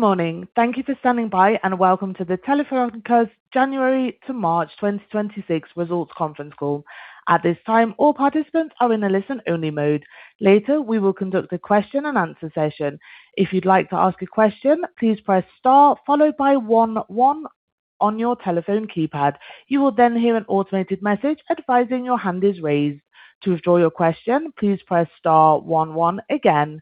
Good morning. Thank you for standing by, and welcome to the Telefónica's January to March 2026 results conference call. At this time, all participants are in a listen-only mode. Later, we will conduct a question-and-answer session. If you'd like to ask a question, please press star followed by one one on your telephone keypad. You will then hear an automated message advising your hand is raised. To withdraw your question, please press star one one again.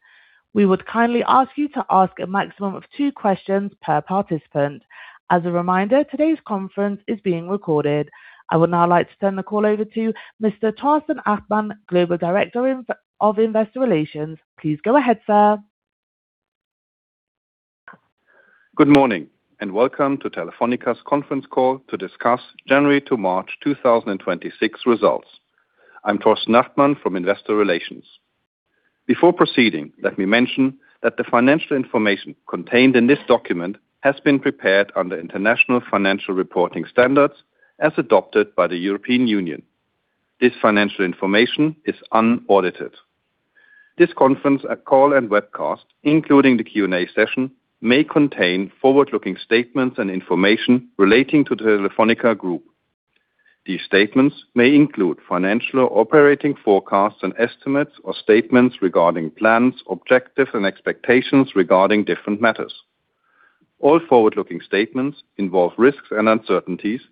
We would kindly ask you to ask a maximum of two questions per participant. As a reminder, today's conference is being recorded. I would now like to turn the call over to Mr. Torsten Achtmann, Global Director of Investor Relations. Please go ahead, sir. Good morning, and welcome to Telefónica's conference call to discuss January to March 2026 results. I'm Torsten Achtmann from Investor Relations. Before proceeding, let me mention that the financial information contained in this document has been prepared under International Financial Reporting Standards as adopted by the European Union. This financial information is unaudited. This conference call and webcast, including the Q&A session, may contain forward-looking statements and information relating to the Telefónica Group. These statements may include financial or operating forecasts and estimates or statements regarding plans, objectives, and expectations regarding different matters. All forward-looking statements involve risks and uncertainties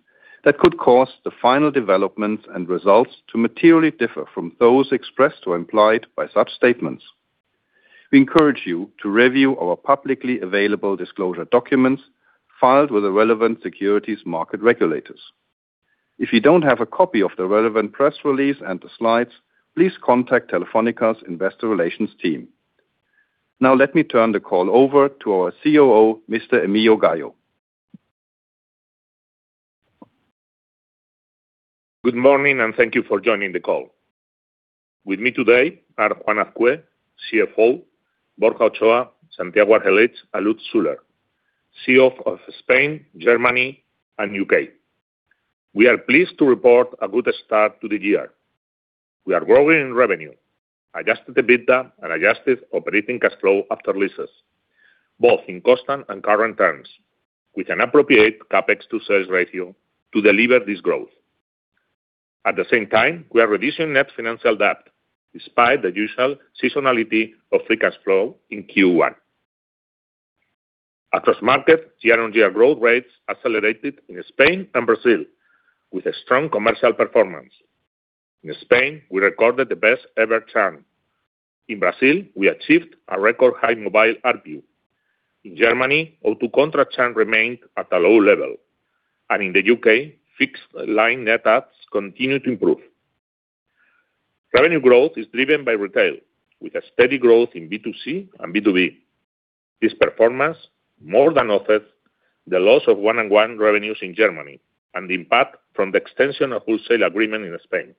that could cause the final developments and results to materially differ from those expressed or implied by such statements. We encourage you to review our publicly available disclosure documents filed with the relevant securities market regulators. If you don't have a copy of the relevant press release and the slides, please contact Telefónica's investor relations team. Now let me turn the call over to our COO, Mr. Emilio Gayo. Good morning, and thank you for joining the call. With me today are Juan Azcué, CFO, Borja Ochoa, Santiago Argelich Hesse, and Lutz Schüler, CEO of Spain, Germany, and U.K. We are pleased to report a good start to the year. We are growing in revenue, adjusted EBITDA and adjusted operating cash flow after leases, both in constant and current terms, with an appropriate CapEx to sales ratio to deliver this growth. At the same time, we are reducing net financial debt despite the usual seasonality of free cash flow in Q1. Across markets, year-on-year growth rates accelerated in Spain and Brazil with a strong commercial performance. In Spain, we recorded the best-ever churn. In Brazil, we achieved a record high mobile ARPU. In Germany, O2 contract churn remained at a low level. In the U.K., fixed line net adds continue to improve. Revenue growth is driven by retail with a steady growth in B2C and B2B. This performance more than offset the loss of 1&1 revenues in Germany and the impact from the extension of wholesale agreement in Spain,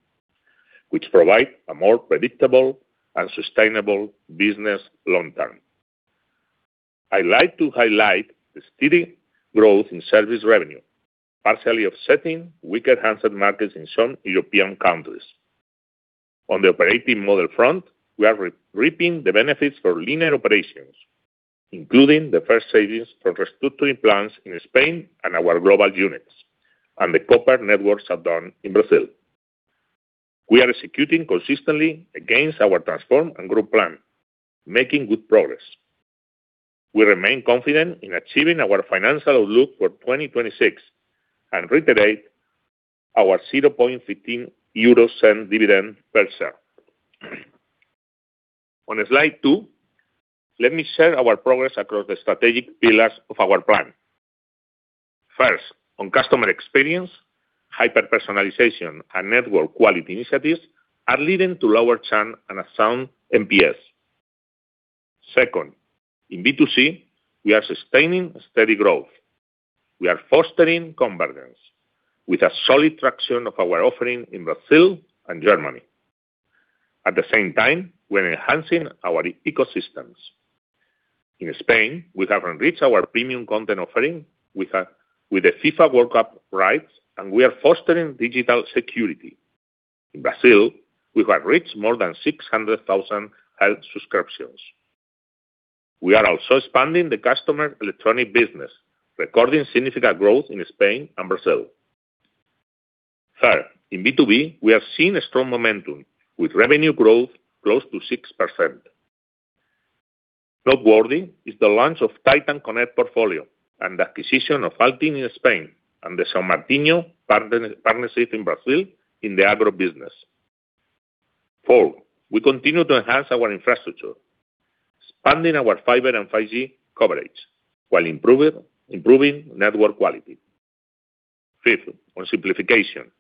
which provide a more predictable and sustainable business long term. I like to highlight the steady growth in service revenue, partially offsetting weaker handset markets in some European countries. On the operating model front, we are reaping the benefits for leaner operations, including the first savings from restructuring plans in Spain and our global units and the copper networks shutdown in Brazil. We are executing consistently against our Transform and Growth Plan, making good progress. We remain confident in achieving our financial outlook for 2026 and reiterate our 0.15 dividend per share. On slide two, let me share our progress across the strategic pillars of our plan. First, on customer experience, hyper-personalization and network quality initiatives are leading to lower churn and a sound NPS. Second, in B2C, we are sustaining steady growth. We are fostering convergence with a solid traction of our offering in Brazil and Germany. At the same time, we're enhancing our ecosystems. In Spain, we have enriched our premium content offering with the FIFA World Cup rights, and we are fostering digital security. In Brazil, we have reached more than 600,000 health subscriptions. We are also expanding the customer electronic business, recording significant growth in Spain and Brazil. Third, in B2B, we have seen a strong momentum with revenue growth close to 6%. Noteworthy is the launch of Titan Connect portfolio and acquisition of Altim in Spain and the São Martinho partner-partnership in Brazil in the agro business. Four, we continue to enhance our infrastructure, expanding our fiber and 5G coverage while improving network quality. Fifth, on simplification,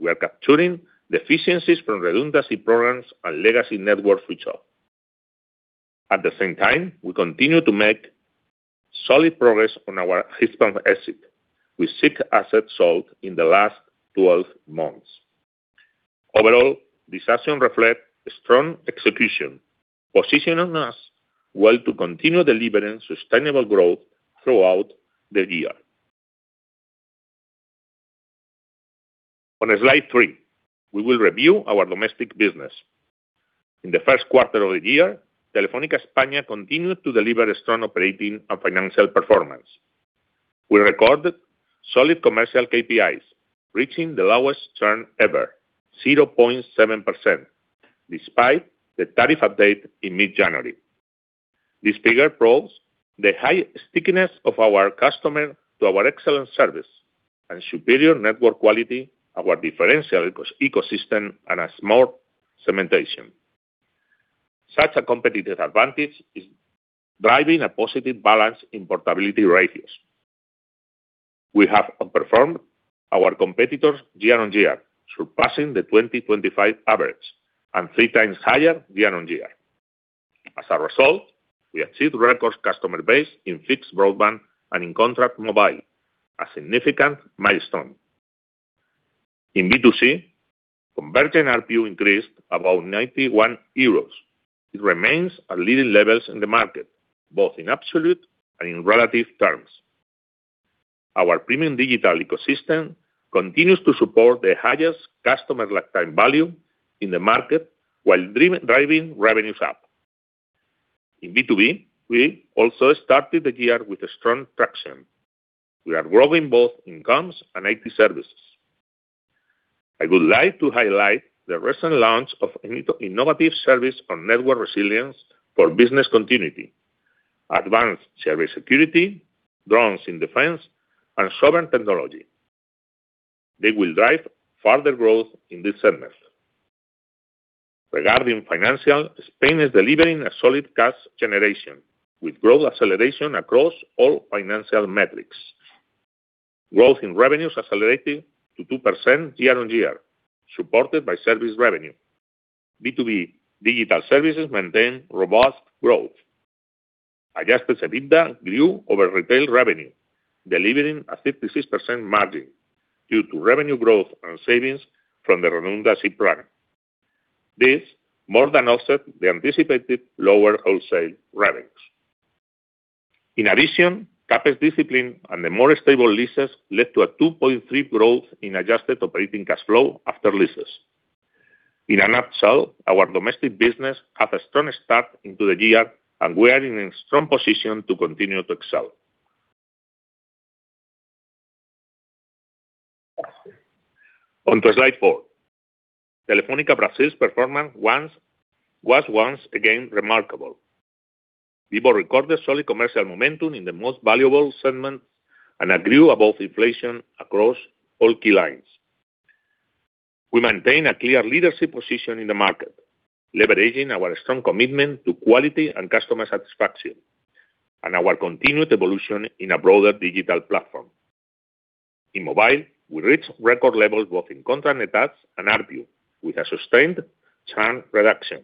we are capturing the efficiencies from redundancy programs and legacy network reach out. At the same time, we continue to make solid progress on our Hispam exit with six assets sold in the last 12 months. Overall, this action reflect strong execution, positioning us well to continue delivering sustainable growth throughout the year. On slide three, we will review our domestic business. In the first quarter of the year, Telefónica Spain continued to deliver a strong operating and financial performance. We recorded solid commercial KPIs, reaching the lowest churn ever, 0.7%, despite the tariff update in mid-January. This figure proves the high stickiness of our customer to our excellent service and superior network quality, our differential ecosystem, and a smart segmentation. Such a competitive advantage is driving a positive balance in portability ratios. We have outperformed our competitors year on year, surpassing the 2025 average and three times higher year on year. As a result, we achieved record customer base in fixed broadband and in contract mobile, a significant milestone. In B2C, converged ARPU increased about 91 euros. It remains at leading levels in the market, both in absolute and in relative terms. Our premium digital ecosystem continues to support the highest customer lifetime value in the market, while driving revenues up. In B2B, we also started the year with strong traction. We are growing both in comms and IT services. I would like to highlight the recent launch of innovative service on network resilience for business continuity, advanced cybersecurity, drones in defense, and sovereign technology. They will drive further growth in this segment. Regarding financial, Spain is delivering a solid cash generation with growth acceleration across all financial metrics. Growth in revenues accelerated to 2% year on year, supported by service revenue. B2B digital services maintain robust growth. Adjusted EBITDA grew over retail revenue, delivering a 56% margin due to revenue growth and savings from the redundancy program. This more than offset the anticipated lower wholesale revenues. In addition, CapEx discipline and the more stable leases led to a 2.3 growth in adjusted operating cash flow after leases. In a nutshell, our domestic business has a strong start into the year, and we are in a strong position to continue to excel. On to slide four. Telefônica Brasil's performance was once again remarkable. Vivo recorded solid commercial momentum in the most valuable segments and grew above inflation across all key lines. We maintain a clear leadership position in the market, leveraging our strong commitment to quality and customer satisfaction and our continued evolution in a broader digital platform. In mobile, we reached record levels, both in contract net adds and ARPU, with a sustained churn reduction.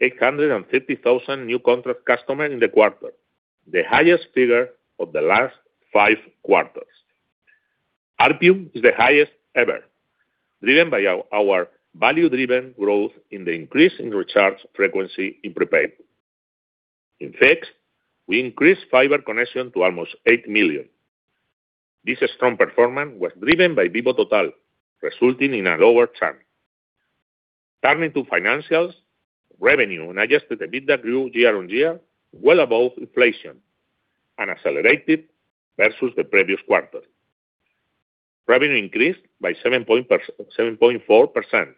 We added 850,000 new contract customers in the quarter, the highest figure of the last five quarters. ARPU is the highest ever, driven by our value-driven growth in the increase in recharge frequency in prepaid. In fact, we increased fiber connection to almost 8 million. This strong performance was driven by Vivo Total, resulting in a lower churn. Turning to financials, revenue and adjusted EBITDA grew year-on-year well above inflation and accelerated versus the previous quarter. Revenue increased by 7.4%,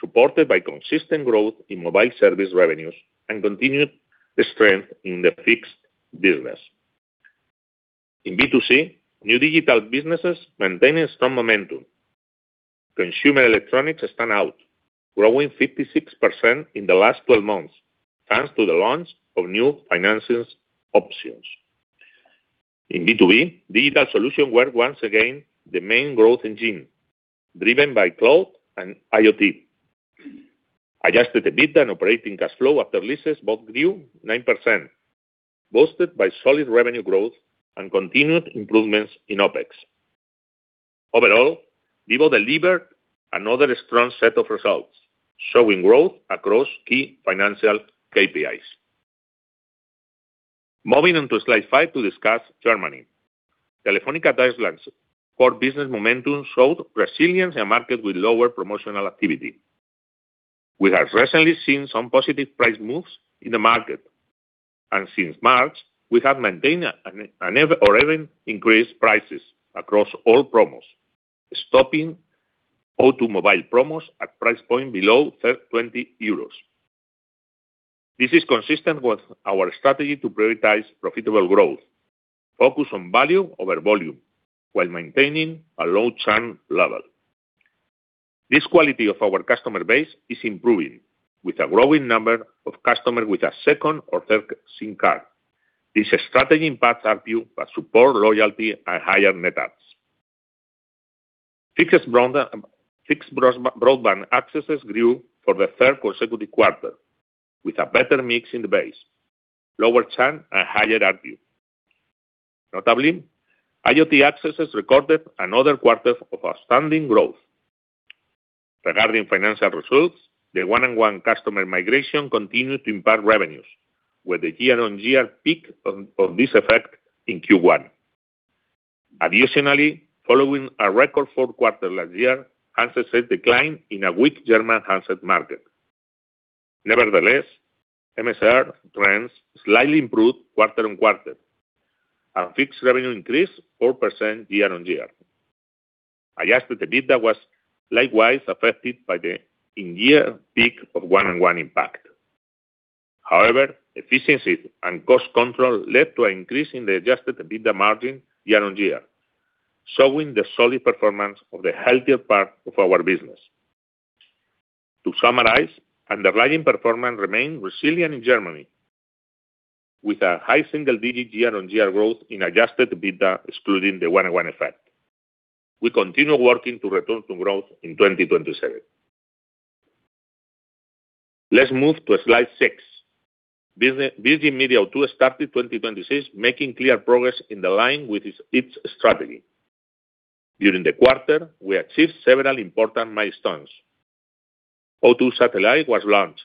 supported by consistent growth in mobile service revenues and continued strength in the fixed business. In B2C, new digital businesses maintained a strong momentum. Consumer electronics stand out, growing 56% in the last 12 months, thanks to the launch of new financing options. In B2B, digital solution were once again the main growth engine, driven by cloud and IoT. Adjusted EBITDA and operating cash flow after leases both grew 9%, boosted by solid revenue growth and continued improvements in OpEx. Overall, Vivo delivered another strong set of results, showing growth across key financial KPIs. Moving on to slide five to discuss Germany. Telefónica Deutschland core business momentum showed resilience in market with lower promotional activity. We have recently seen some positive price moves in the market. Since March, we have maintained or even increased prices across all promos, stopping O2 mobile promos at price point below 20 euros. This is consistent with our strategy to prioritize profitable growth, focus on value over volume, while maintaining a low churn level. This quality of our customer base is improving, with a growing number of customers with a second or third SIM card. This strategy impacts ARPU, support loyalty and higher net adds. Fixed broadband accesses grew for the third consecutive quarter, with a better mix in the base, lower churn, and higher ARPU. Notably, IoT accesses recorded another quarter of outstanding growth. Regarding financial results, the 1&1 customer migration continued to impact revenues, with the year-on-year peak on this effect in Q1. Additionally, following a record fourth quarter last year, handsets decline in a weak German handset market. Nevertheless, MSR trends slightly improved quarter-on-quarter, and fixed revenue increased 4% year-on-year. Adjusted EBITDA was likewise affected by the in-year peak of 1&1 impact. However, efficiencies and cost control led to an increase in the adjusted EBITDA margin year-on-year, showing the solid performance of the healthier part of our business. To summarize, underlying performance remained resilient in Germany with a high single-digit year-on-year growth in adjusted EBITDA, excluding the 1&1 effect. We continue working to return to growth in 2027. Let's move to slide six. Virgin Media O2 started 2026 making clear progress in the line with its strategy. During the quarter, we achieved several important milestones. O2 Satellite was launched,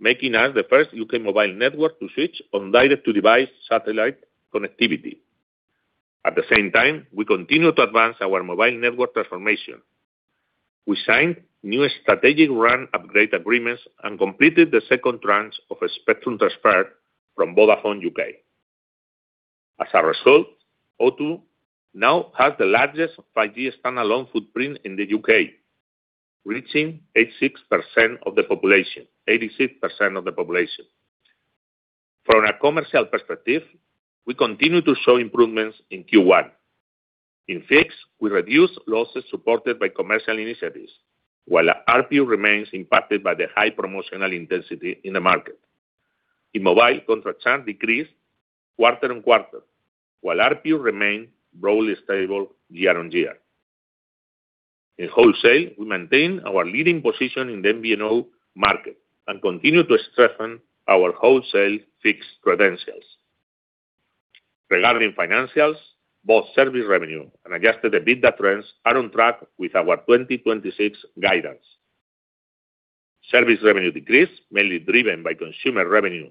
making us the first U.K. mobile network to switch on direct-to-device satellite connectivity. At the same time, we continue to advance our mobile network transformation. We signed new strategic RAN upgrade agreements and completed the second tranche of a spectrum transfer from Vodafone U.K.. As a result, O2 now has the largest 5G standalone footprint in the U.K., reaching 86% of the population. 86% of the population. From a commercial perspective, we continue to show improvements in Q1. In fixed, we reduced losses supported by commercial initiatives, while ARPU remains impacted by the high promotional intensity in the market. In mobile, contract churn decreased quarter-on-quarter, while ARPU remained broadly stable year-on-year. In wholesale, we maintained our leading position in the MVNO market and continue to strengthen our wholesale fixed credentials. Regarding financials, both service revenue and adjusted EBITDA trends are on track with our 2026 guidance. Service revenue decreased, mainly driven by consumer revenue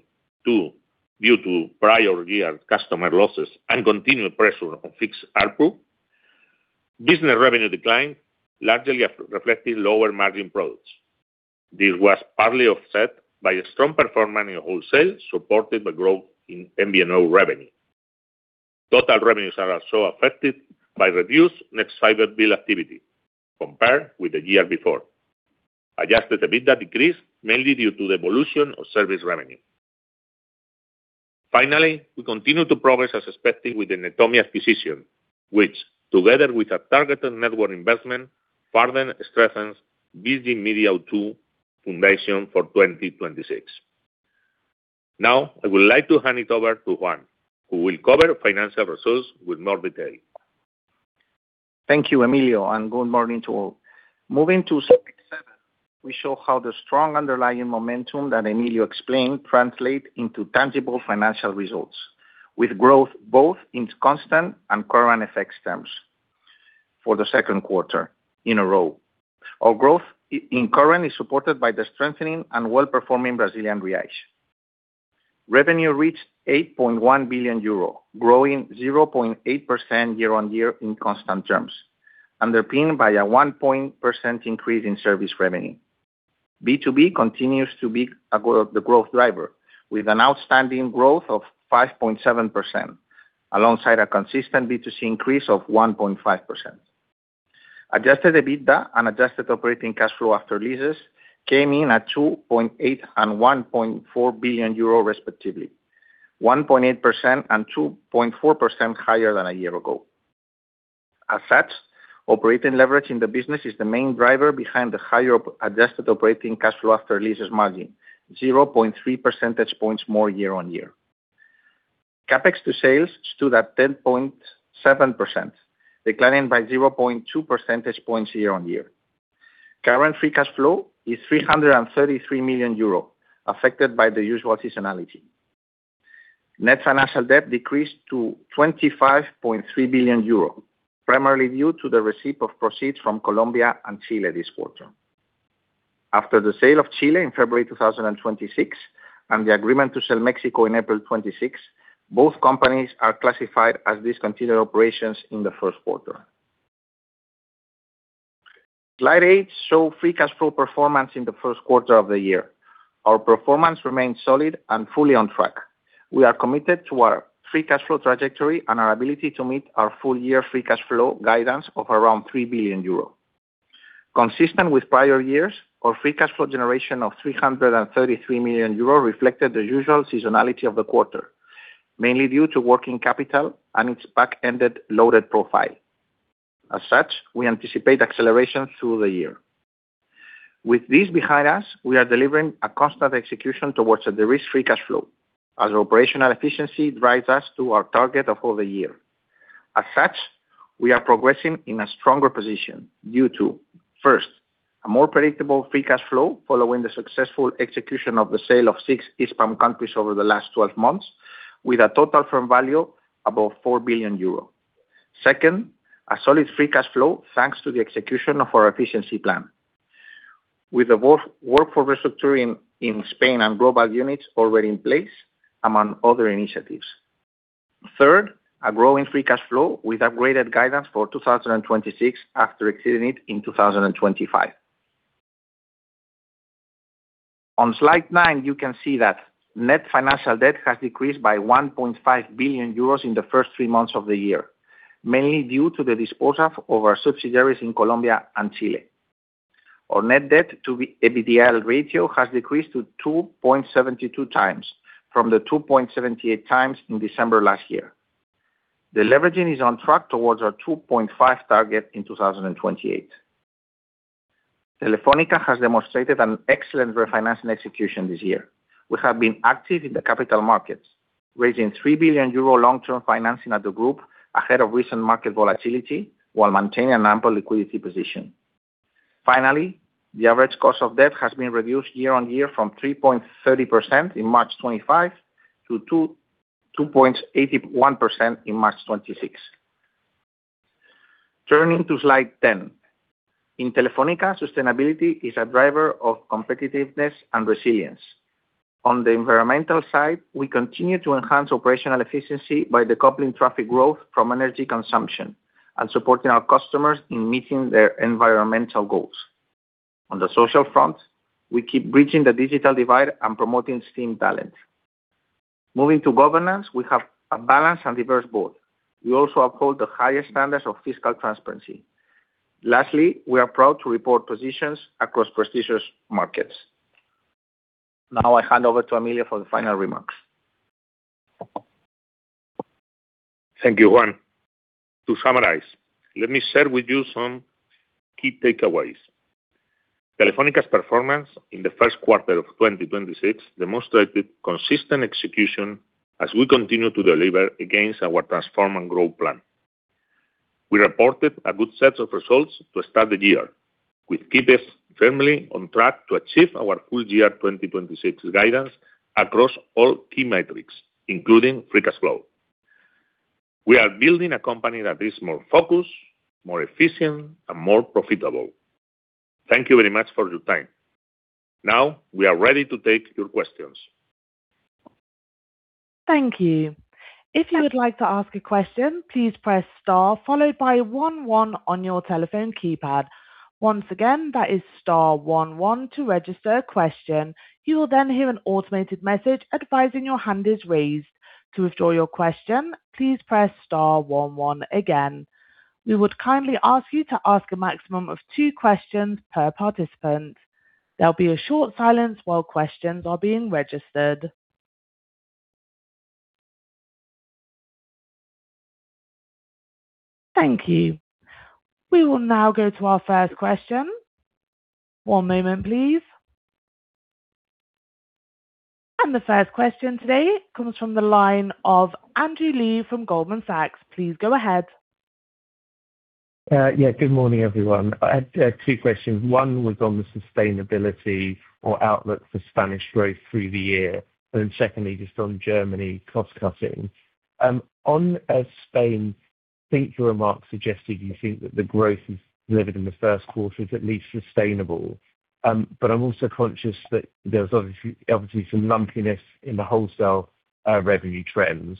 due to prior year customer losses and continued pressure on fixed ARPU. Business revenue declined, largely reflecting lower margin products. This was partly offset by a strong performance in wholesale, supported by growth in MVNO revenue. Total revenues are also affected by reduced Nexfibre build activity compared with the year before. Adjusted EBITDA decreased mainly due to the evolution of service revenue. Finally, we continue to progress as expected with the Netomnia acquisition, which, together with a targeted network investment, further strengthens Virgin Media O2 foundation for 2026. Now, I would like to hand it over to Juan, who will cover financial results with more detail. Thank you, Emilio, and good morning to all. Moving to slide seven, we show how the strong underlying momentum that Emilio explained translate into tangible financial results, with growth both in constant and current FX terms for the second quarter in a row. Our growth in current is supported by the strengthening and well-performing Brazilian real. Revenue reached 8.1 billion euro, growing 0.8% year-on-year in constant terms, underpinned by a 1% increase in service revenue. B2B continues to be the growth driver, with an outstanding growth of 5.7%, alongside a consistent B2C increase of 1.5%. Adjusted EBITDA and adjusted operating cash flow after leases came in at 2.8 billion and 1.4 billion euro respectively, 1.8% and 2.4% higher than a year ago. As such, operating leverage in the business is the main driver behind the higher OpEx-adjusted operating cash flow after leases margin, 0.3 percentage points more year-on-year. CapEx to sales stood at 10.7%, declining by 0.2 percentage points year-on-year. Current free cash flow is 333 million euro, affected by the usual seasonality. Net financial debt decreased to 25.3 billion euro, primarily due to the receipt of proceeds from Colombia and Chile this quarter. After the sale of Chile in February 2026, the agreement to sell Mexico in April 2026, both companies are classified as discontinued operations in the first quarter. Slide eight show free cash flow performance in the first quarter of the year. Our performance remains solid and fully on track. We are committed to our free cash flow trajectory and our ability to meet our full year free cash flow guidance of around 3 billion euro. Consistent with prior years, our free cash flow generation of 333 million euro reflected the usual seasonality of the quarter, mainly due to working capital and its back-ended loaded profile. As such, we anticipate acceleration through the year. With this behind us, we are delivering a constant execution towards the risk-free cash flow, as operational efficiency drives us to our target of over a year. As such, we are progressing in a stronger position due to, first, a more predictable free cash flow following the successful execution of the sale of six Hispam countries over the last 12 months, with a total firm value above 4 billion euro. Second, a solid free cash flow, thanks to the execution of our efficiency plan. With the work, workforce restructuring in Spain and global units already in place, among other initiatives. Third, a growing free cash flow with upgraded guidance for 2026 after exceeding it in 2025. On slide nine, you can see that net financial debt has decreased by 1.5 billion euros in the first three months of the year, mainly due to the disposal of our subsidiaries in Colombia and Chile. Our net debt to EBITDA ratio has decreased to 2.72 times from the 2.78 times in December last year. The leveraging is on track towards our 2.5 target in 2028. Telefónica has demonstrated an excellent refinancing execution this year. We have been active in the capital markets, raising 3 billion euro long-term financing at the group ahead of recent market volatility while maintaining an ample liquidity position. Finally, the average cost of debt has been reduced year-over-year from 3.30% in March 2025 to 2.81% in March 2026. Turning to slide 10. In Telefónica, sustainability is a driver of competitiveness and resilience. On the environmental side, we continue to enhance operational efficiency by decoupling traffic growth from energy consumption and supporting our customers in meeting their environmental goals. On the social front, we keep bridging the digital divide and promoting STEM talent. Moving to governance, we have a balanced and diverse board. We also uphold the highest standards of fiscal transparency. Lastly, we are proud to report positions across prestigious markets. Now, I hand over to Emilio for the final remarks. Thank you, Juan. To summarize, let me share with you some key takeaways. Telefónica's performance in the first quarter of 2026 demonstrated consistent execution as we continue to deliver against our transform and growth plan. We reported a good set of results to start the year, with KPIs firmly on track to achieve our full year 2026 guidance across all key metrics, including free cash flow. We are building a company that is more focused, more efficient, and more profitable. Thank you very much for your time. Now, we are ready to take your questions. Thank you. If you would like to ask a question please press star followed by one one on your telephone keypad. Once again that is star one one to register a question. You will then hear an automated message advising your hand is raised. To withdraw your question please press star one one again. We will kindly ask you to ask a maximum of two questions per participant. There will be a short silence while questions are being registered. Thank you. We will now get to our first question. One moment please. The first question today comes from the line of Andrew Lee from Goldman Sachs. Please go ahead. Good morning, everyone. I had two questions. One was on the sustainability or outlook for Spanish growth through the year. Secondly, just on Germany cost-cutting. On Spain, I think your remarks suggested you think that the growth delivered in the first quarter is at least sustainable. I'm also conscious that there was obviously some lumpiness in the wholesale revenue trends.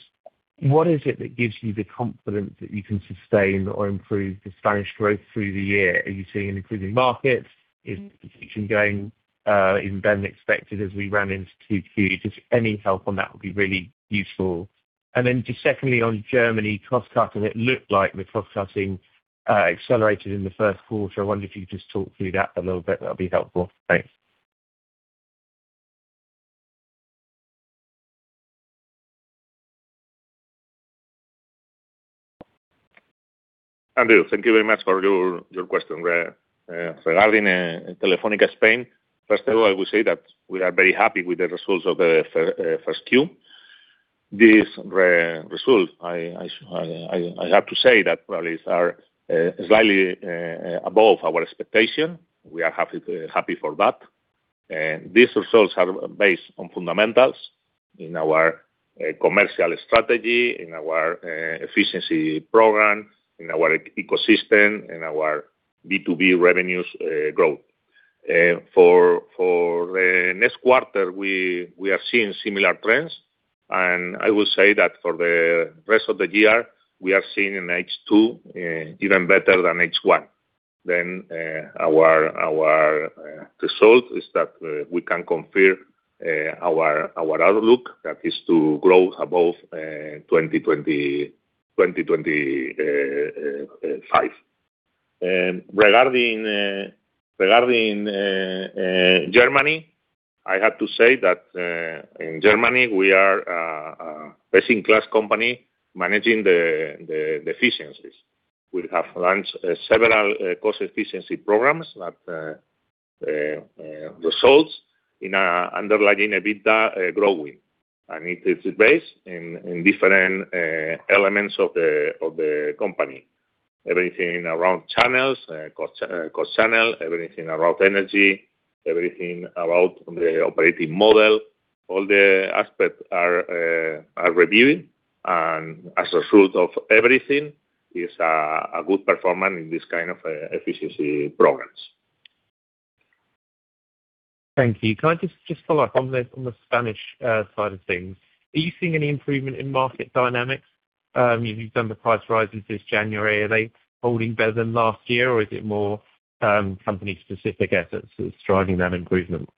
What is it that gives you the confidence that you can sustain or improve the Spanish growth through the year? Are you seeing an improving market? Is competition going even better than expected as we ran into 2Q? Just any help on that would be really useful. Secondly, on Germany cost-cutting, it looked like the cost-cutting accelerated in the first quarter. I wonder if you could just talk through that a little bit. That'll be helpful. Thanks. Andrew, thank you very much for your question. Regarding Telefónica Spain, first of all, I would say that we are very happy with the results of the first Q. This result, I have to say that results are slightly above our expectation. We are happy for that. These results are based on fundamentals in our commercial strategy, in our efficiency program, in our ecosystem, in our B2B revenues growth. For the next quarter, we are seeing similar trends. I will say that for the rest of the year, we are seeing in H2 even better than H1. Our result is that we can confirm our outlook that is to grow above 2025. Regarding Germany, I have to say that in Germany we are a best-in-class company managing the efficiencies. We have launched several cost efficiency programs that results in a underlying EBITDA growing. It is based in different elements of the company. Everything around channels, cost channel, everything around energy, everything about the operating model, all the aspects are reviewed. As a result of everything is a good performance in this kind of efficiency programs. Thank you. Can I just follow up on the Spanish side of things? Are you seeing any improvement in market dynamics? You've done the price rises this January. Are they holding better than last year or is it more company specific efforts that's driving that improvement?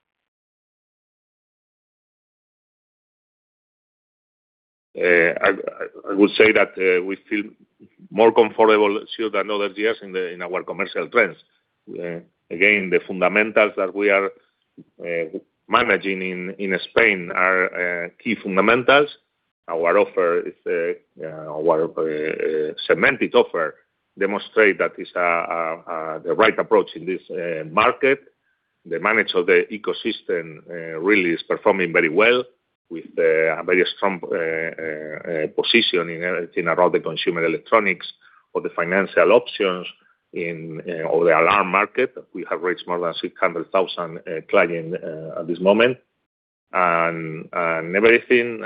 I would say that we feel more comfortable still than other years in our commercial trends. Again, the fundamentals that we are managing in Spain are key fundamentals. Our offer is our segmented offer demonstrate that it's the right approach in this market. The manage of the ecosystem really is performing very well with a very strong position in everything around the consumer electronics or the financial options in all the alarm market. We have reached more than 600,000 clients at this moment. Everything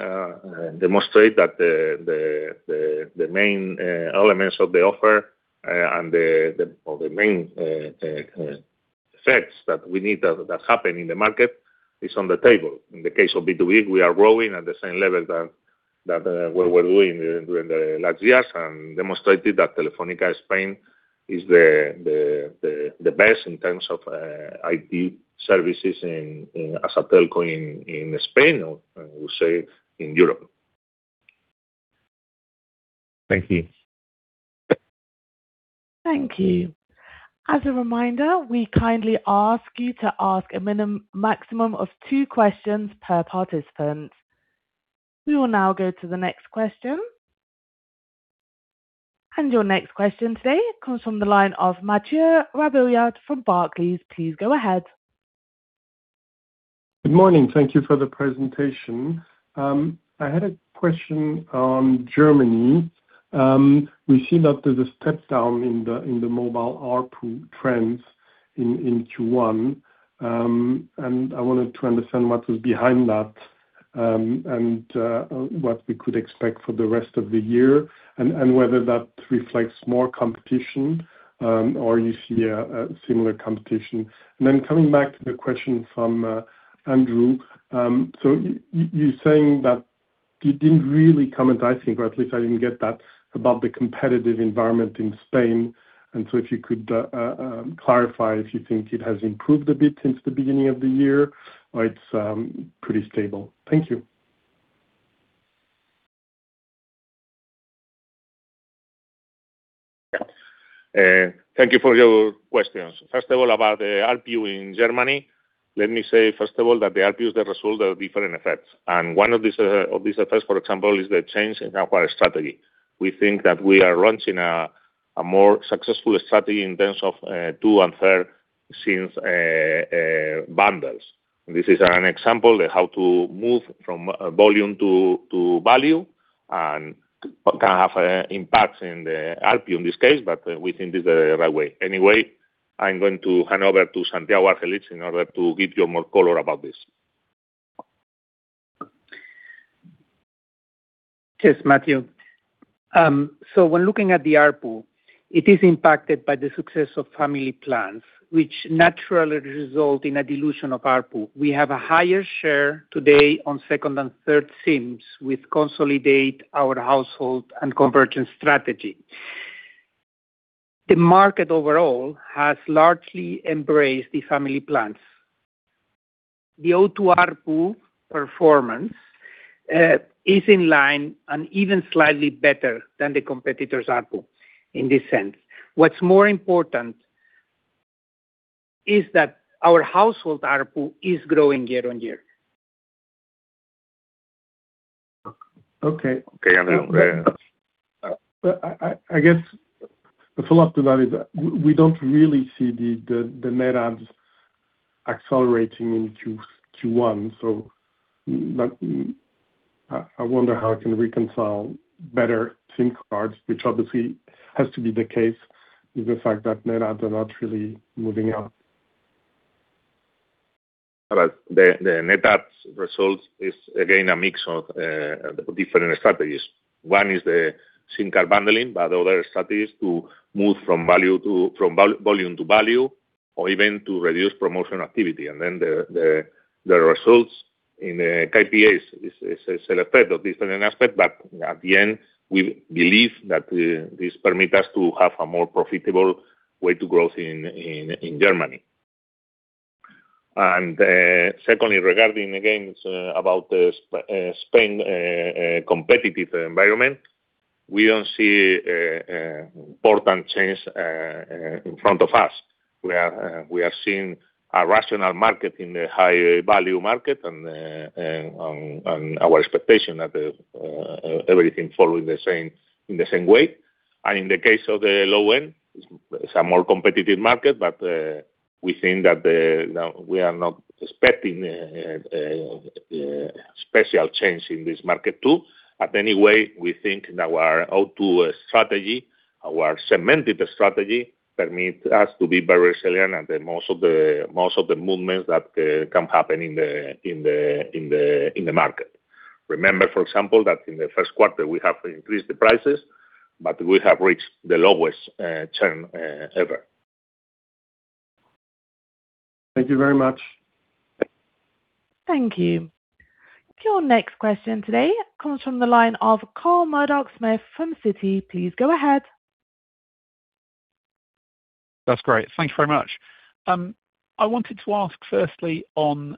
demonstrate that the main elements of the offer and or the main effects that we need that happen in the market is on the table. In the case of B2B, we are growing at the same level that we were doing during the last years and demonstrated that Telefónica Spain is the best in terms of IT services in Asseco in Spain, or I would say in Europe. Thank you. Thank you. As a reminder, we kindly ask you to ask a maximum of two questions per participant. We will now go to the next question. Your next question today comes from the line of Mathieu Robilliard from Barclays. Please go ahead. Good morning. Thank you for the presentation. I had a question on Germany. We see that there's a step down in the mobile ARPU trends in Q1. I wanted to understand what was behind that, and what we could expect for the rest of the year, and whether that reflects more competition, or you see a similar competition. Coming back to the question from Andrew. You're saying that you didn't really comment, I think, or at least I didn't get that, about the competitive environment in Spain. If you could clarify if you think it has improved a bit since the beginning of the year or it's pretty stable. Thank you. Yeah. Thank you for your questions. First of all, about the ARPU in Germany. Let me say, first of all, that the ARPUs, the result of different effects. One of these effects, for example, is the change in our strategy. We think that we are launching a more successful strategy in terms of two and third SIM bundles. This is an example how to move from volume to value and can have an impact in the ARPU in this case, but we think this is the right way. Anyway, I'm going to hand over to Santiago Argelich Hesse in order to give you more color about this. Mathieu. When looking at the ARPU, it is impacted by the success of family plans, which naturally result in a dilution of ARPU. We have a higher share today on second and third SIMs, which consolidate our household and conversion strategy. The market overall has largely embraced the family plans. The O2 ARPU performance is in line and even slightly better than the competitor's ARPU in this sense. What's more important is that our household ARPU is growing year-on-year. Okay. Okay. I guess the follow-up to that is that we don't really see the net adds accelerating in Q1. I wonder how it can reconcile better SIM cards, which obviously has to be the case with the fact that net adds are not really moving up. The net adds results is again a mix of different strategies. One is the SIM card bundling, other strategies to move from volume to value or even to reduce promotional activity. The results in the KPIs is effect of different aspect. At the end, we believe that this permit us to have a more profitable way to growth in Germany. Secondly, regarding again about Spain competitive environment, we don't see important change in front of us. We are seeing a rational market in the high value market and our expectation that everything following in the same way. In the case of the low end. It's a more competitive market, but we think that now we are not expecting special change in this market too. Anyway, we think in our O2 strategy, our segmented strategy permits us to be very resilient and then most of the movements that can happen in the market. Remember, for example, that in the first quarter we have increased the prices, but we have reached the lowest churn ever. Thank you very much. Thank you. Your next question today comes from the line of Carl Murdock-Smith from Citi. Please go ahead. That's great. Thank you very much. I wanted to ask firstly on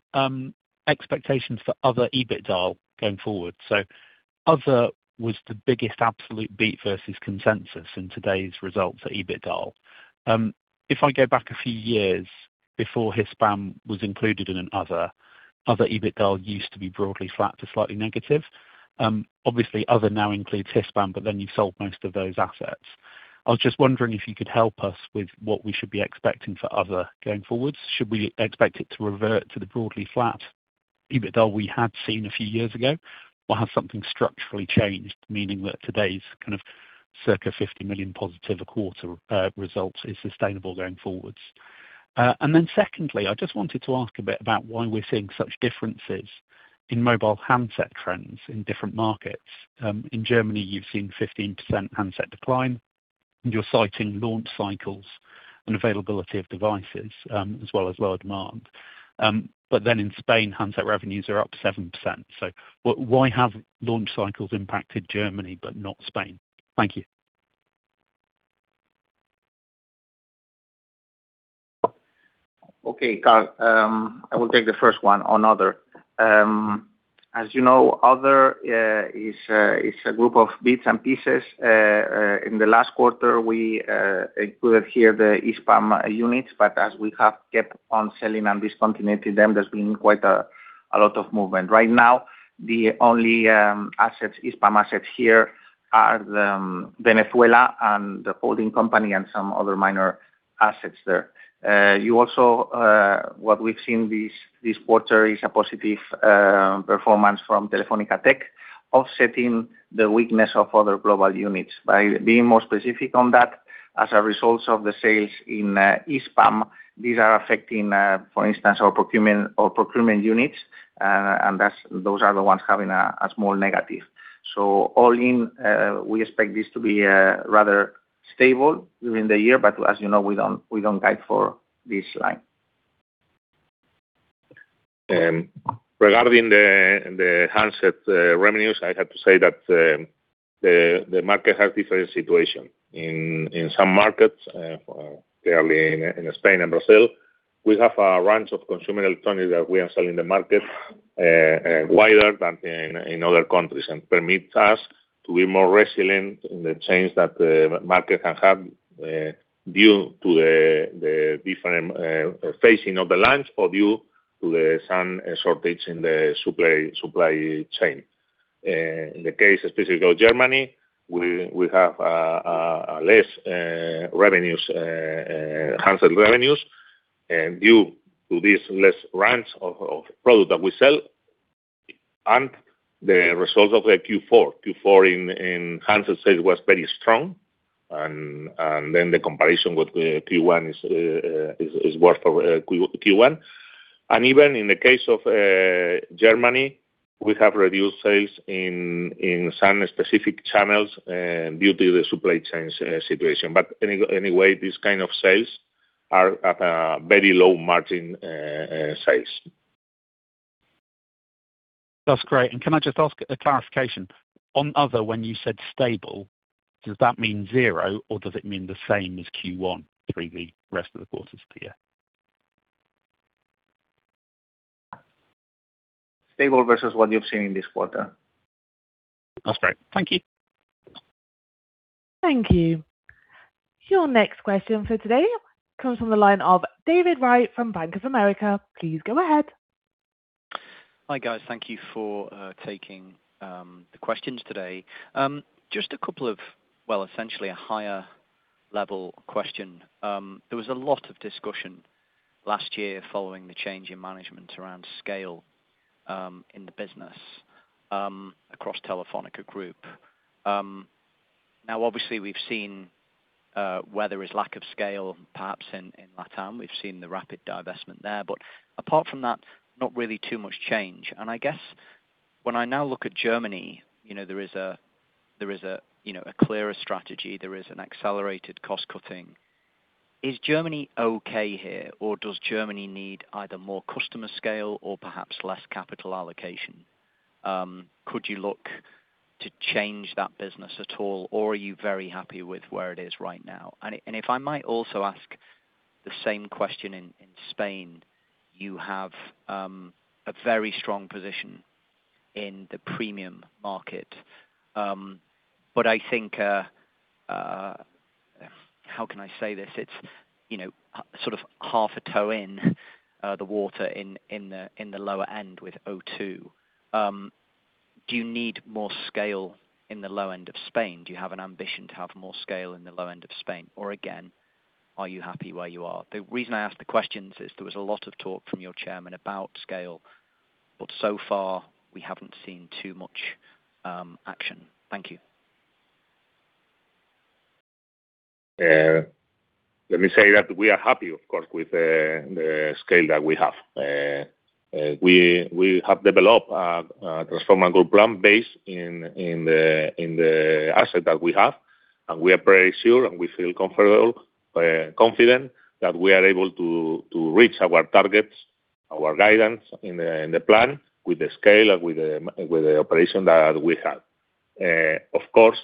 expectations for other EBITDA going forward. Other was the biggest absolute beat versus consensus in today's results at EBITDA. If I go back a few years before Hispam was included in an other EBITDA used to be broadly flat to slightly negative. Obviously other now includes Hispam, you sold most of those assets. I was just wondering if you could help us with what we should be expecting for other going forwards. Should we expect it to revert to the broadly flat EBITDA we had seen a few years ago? Have something structurally changed, meaning that today's kind of circa 50 million+ a quarter results is sustainable going forwards? Secondly, I just wanted to ask a bit about why we're seeing such differences in mobile handset trends in different markets. In Germany you've seen 15% handset decline, and you're citing launch cycles and availability of devices, as well as lower demand. In Spain, handset revenues are up 7%. Why have launch cycles impacted Germany but not Spain? Thank you. Okay. Carl, I will take the first one on other. As you know, other is a group of bits and pieces. In the last quarter, we included here the Hispam units, but as we have kept on selling and discontinuing them, there's been quite a lot of movement. Right now, the only assets, Hispam assets here are the Venezuela and the holding company and some other minor assets there. You also, what we've seen this quarter is a positive performance from Telefónica Tech, offsetting the weakness of other global units. By being more specific on that, as a result of the sales in Hispam, these are affecting, for instance, our procurement units. That's, those are the ones having a small negative. All in, we expect this to be rather stable during the year, but as you know, we don't, we don't guide for this line. Regarding the handset revenues, I have to say that the market has different situation. In some markets, clearly in Spain and Brazil, we have a range of consumer electronics that we are selling the market wider than in other countries, and permits us to be more resilient in the change that the market can have due to the different phasing of the launch or due to some shortage in the supply chain. In the case specifically of Germany, we have less revenues, handset revenues, due to this less range of product that we sell. The results of the Q4. Q4 in handset sales was very strong. The comparison with the Q1 is worse for Q1. Even in the case of Germany, we have reduced sales in some specific channels due to the supply chain situation. Anyway, these kind of sales are at a very low margin sales. That's great. Can I just ask a clarification? On other, when you said stable, does that mean zero or does it mean the same as Q1 through the rest of the quarters of the year? Stable versus what you've seen in this quarter. That's great. Thank you. Thank you. Your next question for today comes from the line of David Wright from Bank of America. Please go ahead. Hi, guys. Thank you for taking the questions today. Just a couple of, well, essentially a higher level question. There was a lot of discussion last year following the change in management around scale in the business across Telefónica Group. Now, obviously, we've seen where there is lack of scale, perhaps in LatAm, we've seen the rapid divestment there. Apart from that, not really too much change. I guess when I now look at Germany, you know, there is a clearer strategy, there is an accelerated cost cutting. Is Germany okay here, or does Germany need either more customer scale or perhaps less capital allocation? Could you look to change that business at all, or are you very happy with where it is right now? If I might also ask the same question in Spain. You have a very strong position in the premium market. I think, how can I say this? It's, you know, sort of half a toe in the water in the lower end with O2. Do you need more scale in the low end of Spain? Do you have an ambition to have more scale in the low end of Spain? Or again, are you happy where you are? The reason I ask the questions is there was a lot of talk from your chairman about scale, but so far, we haven't seen too much action. Thank you. Let me say that we are happy, of course, with the scale that we have. We have developed transformer group brand based in the asset that we have, and we are pretty sure, and we feel comfortable, confident that we are able to reach our targets, our guidance in the plan with the scale, with the operation that we have. Of course,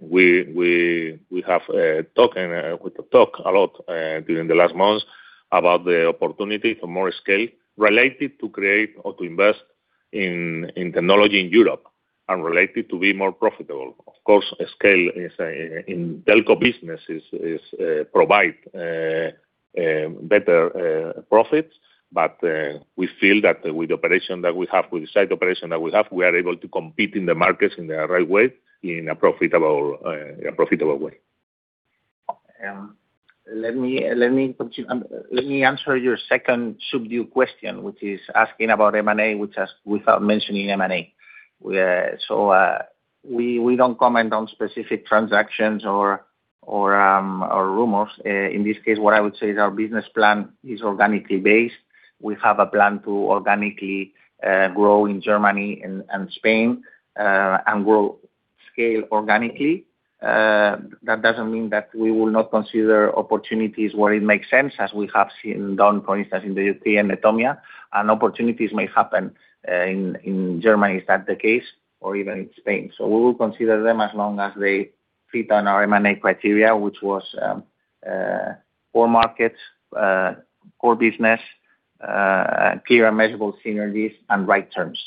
we have talk and we could talk a lot during the last months about the opportunity for more scale related to create or to invest in technology in Europe and related to be more profitable. Of course, scale is a, in telco business is, provide better profits. We feel that with the operation that we have, with the site operation that we have, we are able to compete in the markets in the right way, in a profitable way. Let me continue. Let me answer your second subdued question, which is asking about M&A, which has, without mentioning M&A. We don't comment on specific transactions or rumors. In this case, what I would say is our business plan is organically based. We have a plan to organically grow in Germany and Spain and grow scale organically. That doesn't mean that we will not consider opportunities where it makes sense, as we have seen done, for instance, in the T and Netomnia, and opportunities may happen in Germany is that the case or even in Spain. We will consider them as long as they fit on our M&A criteria, which was core markets, core business, clear and measurable synergies and right terms.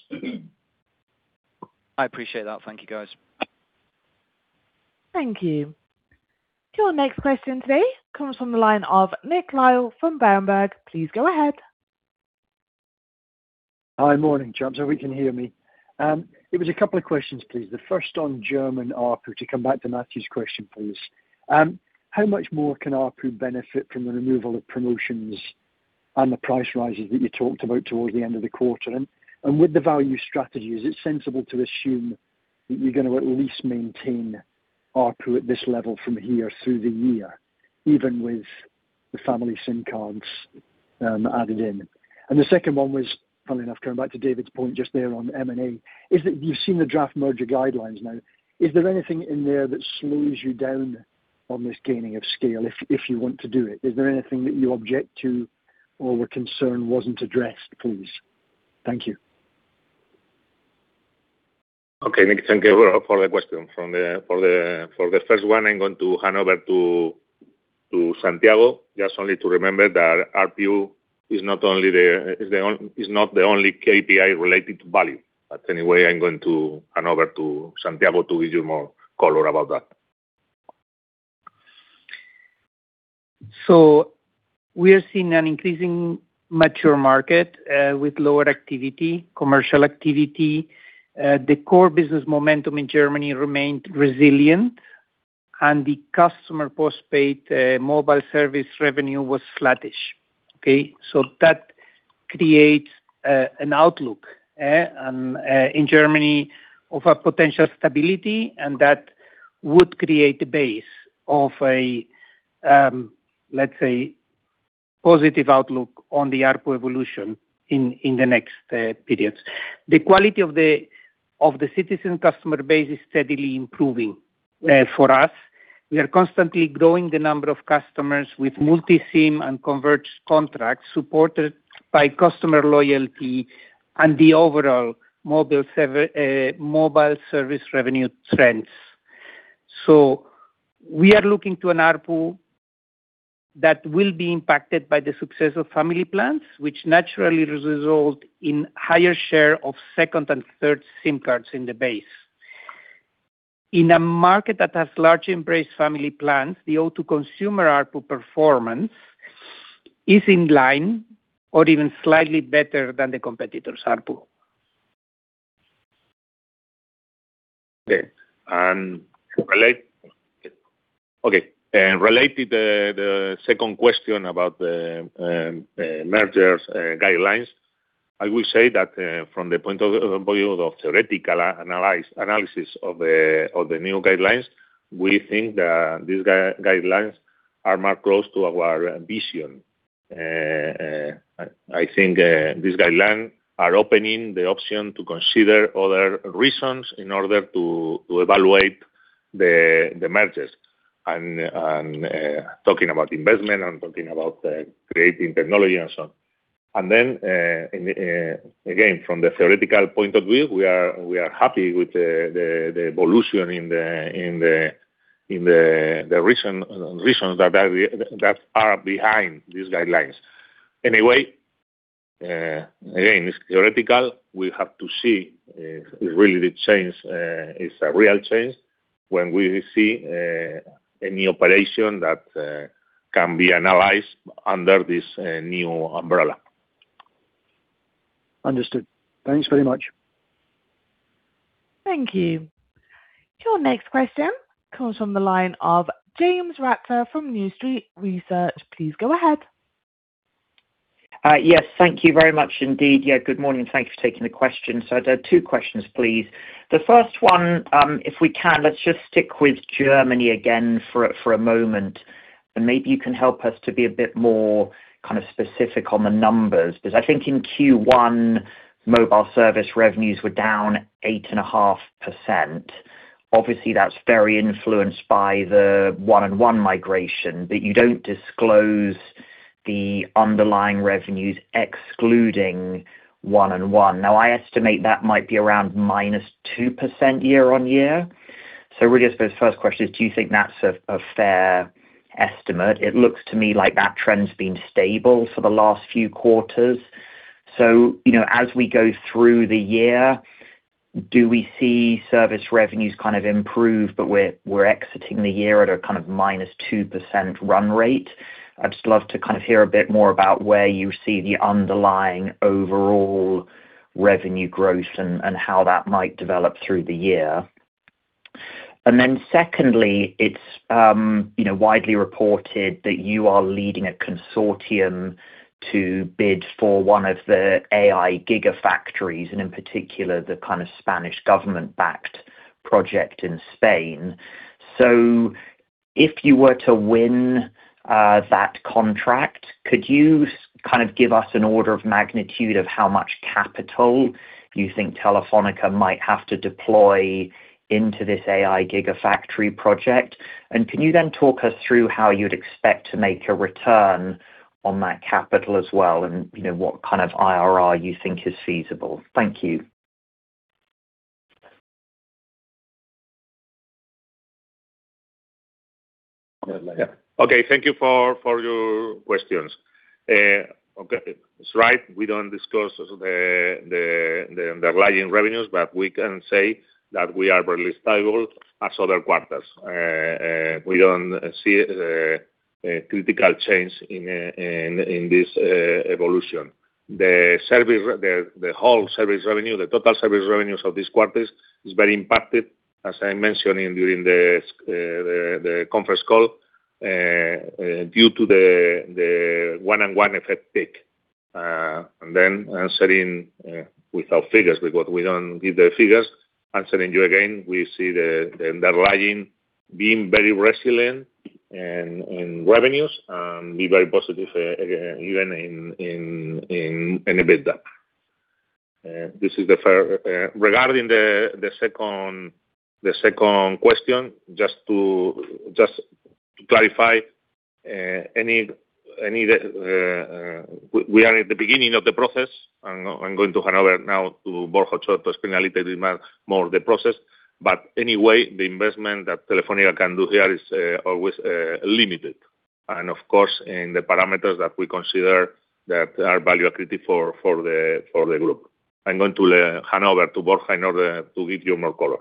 I appreciate that. Thank you, guys. Thank you. Your next question today comes from the line of Nick Lyall from Berenberg. Please go ahead. Hi. Morning, gents. Hope you can hear me. It was a couple of questions, please. The first on German ARPU, to come back to Mathieu's question, please. How much more can ARPU benefit from the removal of promotions and the price rises that you talked about towards the end of the quarter? With the value strategy, is it sensible to assume that you're gonna at least maintain ARPU at this level from here through the year, even with the family SIM cards, added in? The second one was, funnily enough, coming back to David's point just there on M&A, is that you've seen the draft merger guidelines now. Is there anything in there that slows you down on this gaining of scale if you want to do it? Is there anything that you object to or were concerned wasn't addressed, please? Thank you. Okay. Nick, thank you for the question. From the first one, I'm going to hand over to Santiago, just only to remember that ARPU is not the only KPI related to value. Anyway, I'm going to hand over to Santiago to give you more color about that. We are seeing an increasing mature market with lower activity, commercial activity. The core business momentum in Germany remained resilient, and the customer postpaid mobile service revenue was flattish. Okay? That creates an outlook and in Germany of a potential stability, and that would create the base of a, let's say, positive outlook on the ARPU evolution in the next periods. The quality of the O2 customer base is steadily improving for us. We are constantly growing the number of customers with multi-SIM and converged contracts supported by customer loyalty and the overall mobile service revenue trends. We are looking to an ARPU that will be impacted by the success of family plans, which naturally result in higher share of second and third SIM cards in the base. In a market that has largely embraced family plans, the O2 consumer ARPU performance is in line or even slightly better than the competitor's ARPU. Related the second question about mergers guidelines. I will say that from the point of view of theoretical analysis of the new guidelines, we think that these guidelines are more close to our vision. I think these guidelines are opening the option to consider other reasons in order to evaluate the mergers and talking about investment and talking about creating technology and so on. Again, from the theoretical point of view, we are happy with the evolution in the recent that are behind these guidelines. Anyway, again, it's theoretical. We have to see, if really the change, is a real change. When we see, any operation that, can be analyzed under this, new umbrella. Understood. Thanks very much. Thank you. Your next question comes from the line of James Ratzer from New Street Research. Please go ahead. Yes, thank you very much indeed. Good morning, thanks for taking the question. I have two questions, please. The first one, let's just stick with Germany again for a moment, and maybe you can help us to be a bit more kind of specific on the numbers. I think in Q1 mobile service revenues were down 8.5%. Obviously, that's very influenced by the 1&1 migration, but you don't disclose the underlying revenues excluding 1&1. I estimate that might be around -2% year-on-year. Really, I suppose the first question is do you think that's a fair estimate? It looks to me like that trend's been stable for the last few quarters. You know, as we go through the year, do we see service revenues kind of improve, but we're exiting the year at a kind of -2% run rate? I'd just love to kind of hear a bit more about where you see the underlying overall revenue growth and how that might develop through the year. Secondly, it's, you know, widely reported that you are leading a consortium to bid for one of the AI gigafactories, and in particular, the kind of Spanish government-backed project in Spain. If you were to win that contract, could you kind of give us an order of magnitude of how much capital you think Telefónica might have to deploy into this AI gigafactory project? Can you then talk us through how you'd expect to make a return on that capital as well and, you know, what kind of IRR you think is feasible? Thank you. Yeah. Okay, thank you for your questions. Okay, it's right, we don't discuss the underlying revenues, but we can say that we are very stable as other quarters. We don't see a critical change in this evolution. The whole service revenue, the total service revenues of this quarters is very impacted, as I mentioned during the conference call, due to the 1&1 effect peak. Then answering without figures because we don't give the figures. Answering you again, we see the underlying being very resilient and revenues and be very positive even in EBITDA. This is the first. Regarding the second question, just to clarify, we are at the beginning of the process. I'm going to hand over now to Borja Ochoa to explain a little bit more of the process. Anyway, the investment that Telefónica can do here is always limited. Of course, in the parameters that we consider that are value accretive for the group. I'm going to hand over to Borja in order to give you more color.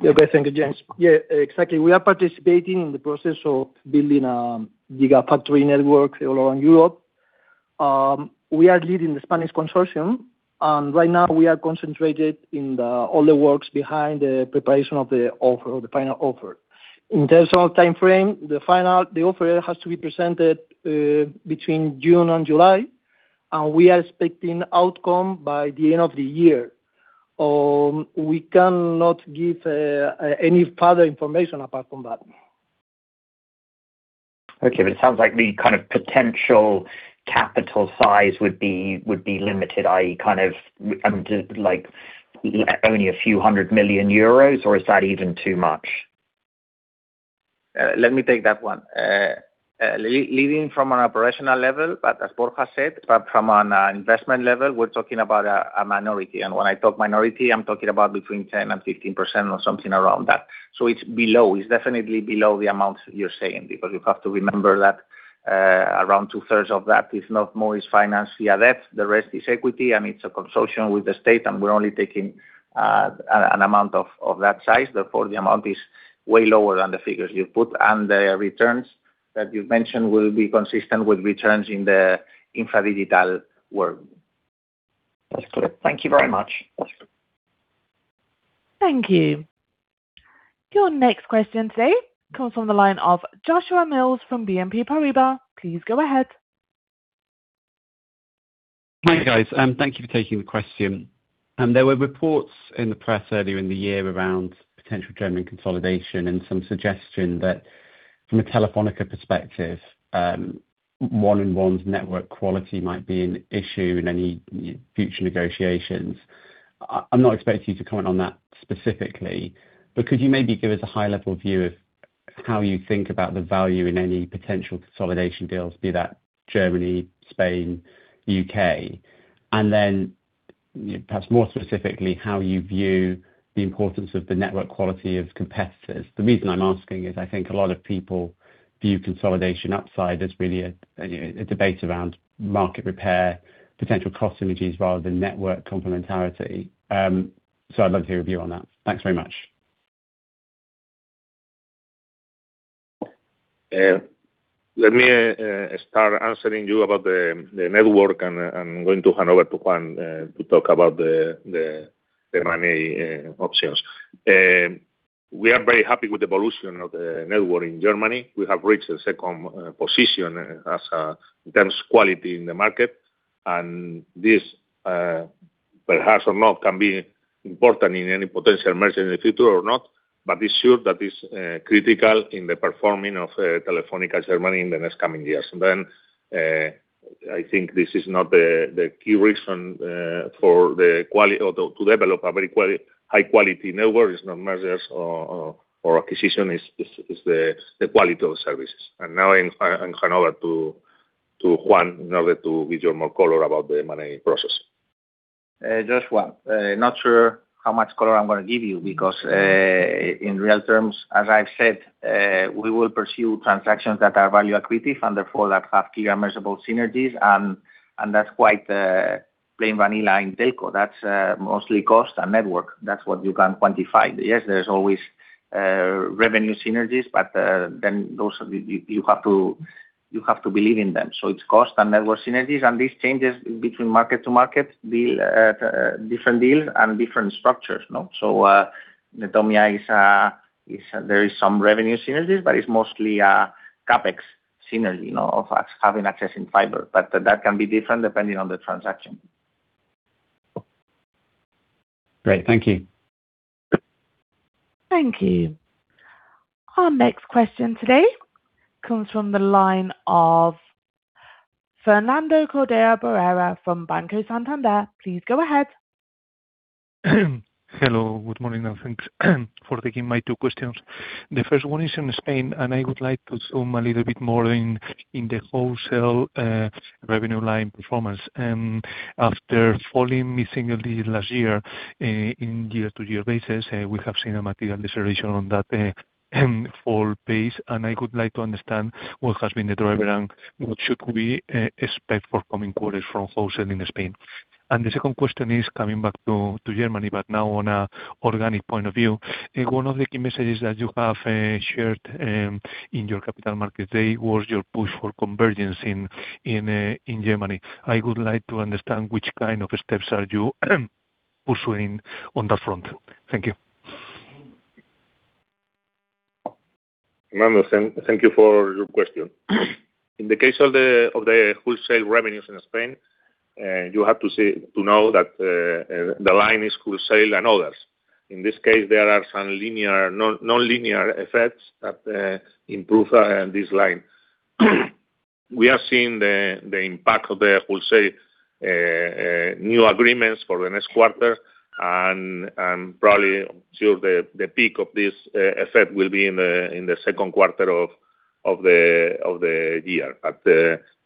Yeah. Okay. Thank you, James. Yeah, exactly. We are participating in the process of building a gigafactory network along Europe. We are leading the Spanish consortium, and right now we are concentrated in all the works behind the preparation of the offer or the final offer. In terms of timeframe, the final offer has to be presented between June and July. We are expecting outcome by the end of the year. We cannot give any further information apart from that. Okay. It sounds like the kind of potential capital size would be limited, i.e., kind of, to like only a few hundred million euros or is that even too much? Let me take that one. Leading from an operational level, but as Borja said, but from an investment level, we're talking about a minority. When I talk minority, I'm talking about between 10% and 15% or something around that. It's below. It's definitely below the amount you're saying, because you have to remember that around two-thirds of that, if not more, is financed via debt. The rest is equity, and it's a consortium with the state, and we're only taking an amount of that size. Therefore, the amount is way lower than the figures you put, and the returns that you've mentioned will be consistent with returns in the InfraDigital world. That's clear. Thank you very much. Thank you. Your next question today comes from the line of Joshua Mills from BNP Paribas. Please go ahead. Hi, guys. Thank you for taking the question. There were reports in the press earlier in the year around potential German consolidation and some suggestion that from a Telefónica perspective, 1&1's network quality might be an issue in any future negotiations. I'm not expecting you to comment on that specifically, but could you maybe give us a high level view of how you think about the value in any potential consolidation deals, be that Germany, Spain, U.K.? Perhaps more specifically, how you view the importance of the network quality of competitors. The reason I'm asking is I think a lot of people view consolidation upside as really a, you know, a debate around market repair, potential cost synergies rather than network complementarity. I'd love to hear a view on that. Thanks very much. Let me start answering you about the network and going to hand over to Juan to talk about the M&A options. We are very happy with the evolution of the network in Germany. We have reached the second position as in terms of quality in the market. This perhaps or not, can be important in any potential merger in the future or not, but it's sure that it's critical in the performing of Telefónica Germany in the next coming years. I think this is not the key reason for the quality Although to develop a very quality, high-quality network is not mergers or acquisition, it's the quality of services. Now I hand over to Juan in order to give you more color about the M&A process. Just one. Not sure how much color I'm gonna give you because in real terms, as I've said, we will pursue transactions that are value accretive and therefore that have clear measurable synergies and that's quite plain vanilla in telco. That's mostly cost and network. That's what you can quantify. Yes, there's always revenue synergies, but then those you have to believe in them. It's cost and network synergies. These changes between market to market deal, different deals and different structures, you know. Netomnia. There is some revenue synergies, but it's mostly CapEx synergy, you know, of us having access in fiber. But that can be different depending on the transaction. Great. Thank you. Thank you. Our next question today comes from the line of Fernando Cordero from Banco Santander. Please go ahead. Hello. Good morning, and thanks for taking my two questions. The first one is in Spain. I would like to zoom a little bit more in the wholesale revenue line performance. After falling significantly last year, in year-over-year basis, we have seen a material deceleration on that fall pace. I would like to understand what has been the driver and what should we expect for coming quarters from wholesale in Spain. The second question is coming back to Germany, but now on an organic point of view. One of the key messages that you have shared in your Capital Markets Day was your push for convergence in Germany. I would like to understand which kind of steps are you pursuing on that front. Thank you. Fernando, thank you for your question. In the case of the wholesale revenues in Spain, you have to see to know that the line is wholesale and others. In this case, there are some linear, non-nonlinear effects that improve this line. We are seeing the impact of the wholesale new agreements for the next quarter and probably till the peak of this effect will be in the second quarter of the year.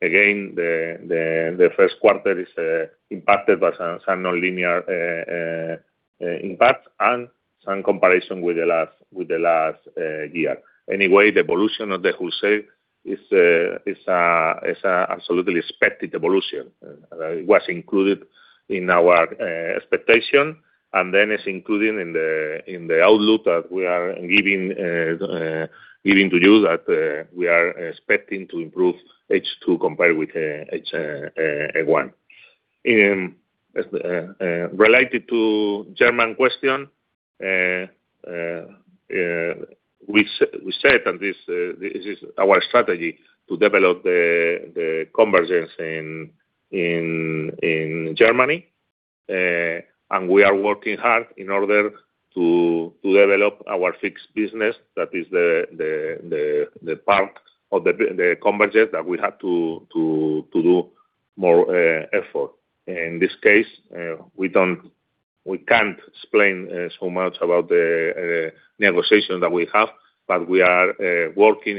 Again, the first quarter is impacted by some nonlinear impact and some comparison with the last year. Anyway, the evolution of the wholesale is a absolutely expected evolution. It was included in our expectation, then it's included in the, in the outlook that we are giving to you that we are expecting to improve H2 compared with H1. Related to German question, we said that this is our strategy to develop the convergence in Germany. We are working hard in order to develop our fixed business. That is the part of the convergence that we have to do more effort. In this case, we can't explain so much about the negotiation that we have, but we are working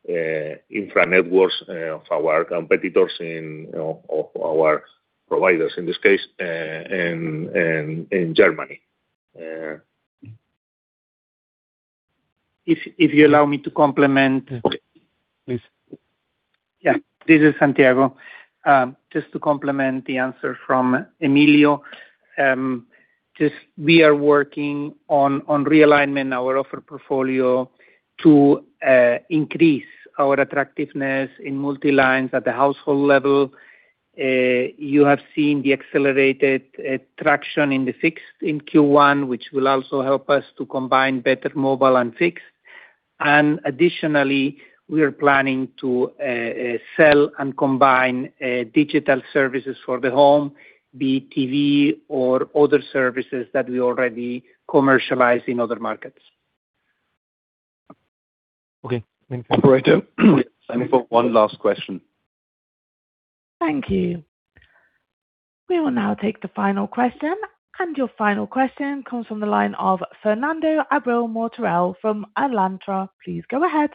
in order to have better access to the infra networks of our competitors in, or our providers, in this case, in Germany. If you allow me to complement. Please. Yeah. This is Santiago. Just to complement the answer from Emilio. Just we are working on realignment our offer portfolio to increase our attractiveness in multi lines at the household level. You have seen the accelerated traction in the fixed in Q1, which will also help us to combine better mobile and fixed. Additionally, we are planning to sell and combine digital services for the home, be it TV or other services that we already commercialize in other markets. Okay. Thank you. Operator, time for one last question. Thank you. We will now take the final question. Your final question comes from the line of Fernando Abril-Martorell from Alantra. Please go ahead.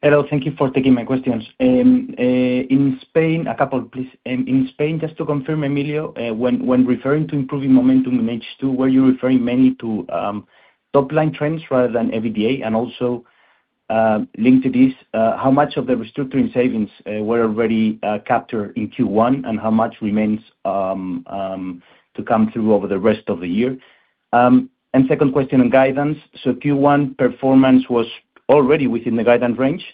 Hello. Thank you for taking my questions. In Spain A couple, please. In Spain, just to confirm, Emilio, when referring to improving momentum in H2, were you referring mainly to top-line trends rather than EBITDA? Linked to this, how much of the restructuring savings were already captured in Q1 and how much remains to come through over the rest of the year? Second question on guidance. Q1 performance was already within the guidance range.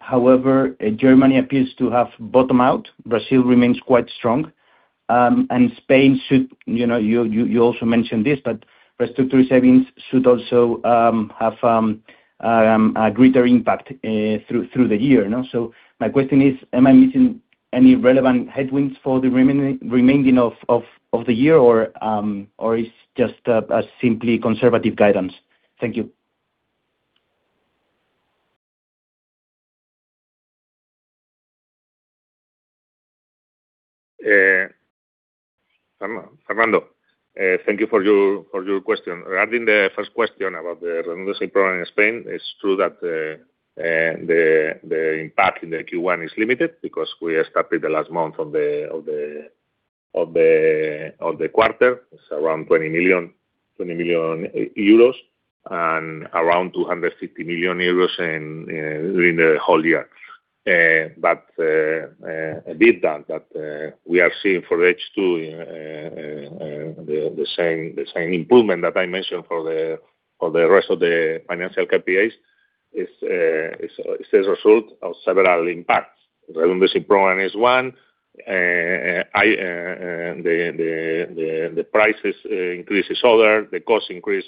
However, Germany appears to have bottomed out. Brazil remains quite strong. Spain should, you know, you also mentioned this, but restructuring savings should also a greater impact through the year, you know. My question is, am I missing any relevant headwinds for the remaining of the year or it's just a simply conservative guidance? Thank you. Fernando, thank you for your question. Regarding the first question about the reimbursement program in Spain, it's true that the impact in the Q1 is limited because we started the last month of the quarter. It's around 20 million euros and around 250 million euros during the whole year. Despite that, we are seeing for H2 the same improvement that I mentioned for the rest of the financial KPIs is a result of several impacts. The reimbursement program is one. The prices increase is other. The cost increase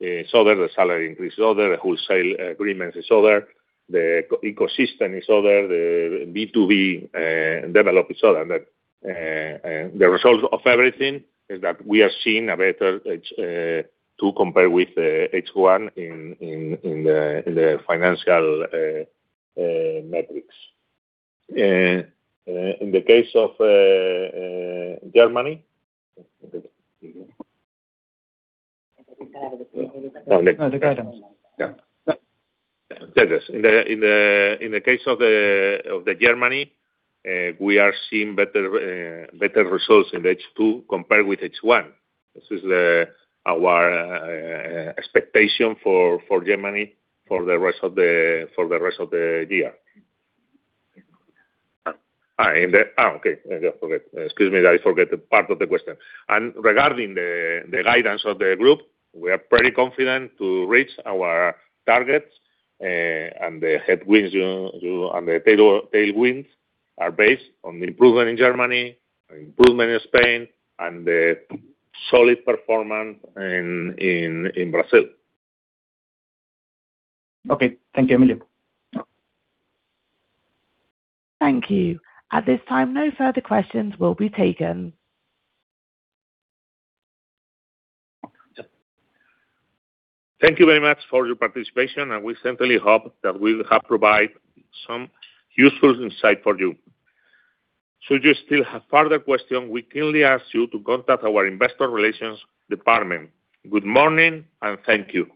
is other. The salary increase is other. The wholesale agreements is other. The ecosystem is other. The B2B development is other. The result of everything is that we are seeing a better H2 compared with H1 in the financial metrics. In the case of Germany, we are seeing better results in H2 compared with H1. This is our expectation for Germany for the rest of the year. I forgot. Excuse me that I forget the part of the question. Regarding the guidance of the group, we are pretty confident to reach our targets. The headwinds and the tailwinds are based on the improvement in Germany, improvement in Spain and the solid performance in Brazil. Okay. Thank you, Emilio. Thank you. At this time, no further questions will be taken. Thank you very much for your participation, and we certainly hope that we have provided some useful insight for you. Should you still have further questions, we kindly ask you to contact our investor relations department. Good morning and thank you.